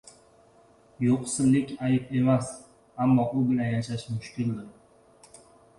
• Yo‘qsillik ayb emas, ammo u bilan yashash mushkuldir.